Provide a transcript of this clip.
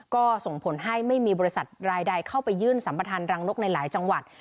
ก็ส่วนผลให้ไม่มีบริษัทรายใดเข้าไปยื่นสัมปธัณฑ์รังนกหลายหรือหลายจังหวัด